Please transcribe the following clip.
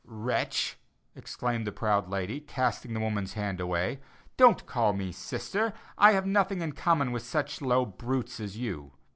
"Wretch!" exclaimed the proud lady, casting the woman's hand away; "Don't call me sister, I have nothing in common with such low brutes as you."